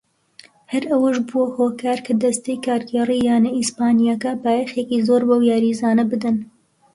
هەر ئەوەش بووە هۆکار کە دەستەی کارگێڕیی یانە ئیسپانییەکە بایەخێکی زۆر بەو یاریزانە بدەن.